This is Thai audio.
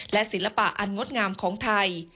และศิลปะอันงดงามของไทย